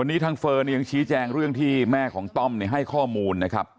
วันนี้ทางเฟิร์นยังชี้แจงเรื่องที่แม่ของต้อมให้ข้อมูลนะครับ